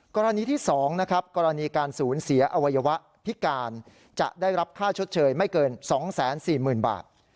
กรณีที่๒นะครับกรณีการสูญเสียอวัยวะพิการจะได้รับค่าชดเชยไม่เกิน๒๔๐๐๐บาท